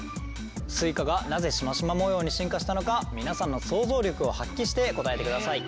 スイカがなぜシマシマ模様に進化したのか皆さんの想像力を発揮して答えてください。